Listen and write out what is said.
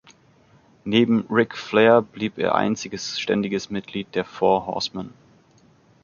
Neben Ric Flair blieb er einziges ständiges Mitglied der Four Horsemen.